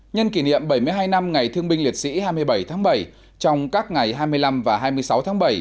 nhân kỷ niệm bảy mươi hai năm ngày thương binh liệt sĩ hai mươi bảy tháng bảy trong các ngày hai mươi năm và hai mươi sáu tháng bảy